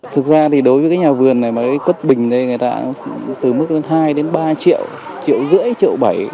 thực ra thì đối với cái nhà vườn này mà cái quất bình đây người ta từ mức lên hai đến ba triệu triệu rưỡi triệu bảy